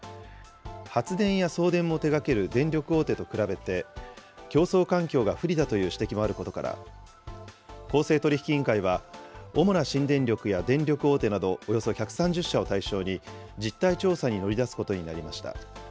発電や送電も手がける電力大手と比べて競争環境が不利だという指摘もあることから、公正取引委員会は、主な新電力や電力大手などおよそ１３０社を対象に、実態調査に乗り出すことになりました。